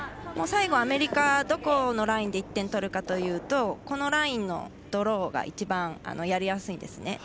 最後アメリカ、どこのラインで１点取るかというとこのラインのドローが一番やりやすいんですね。